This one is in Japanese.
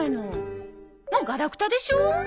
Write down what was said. もうガラクタでしょう？